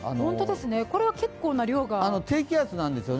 これは結構な量が低気圧なんですよね。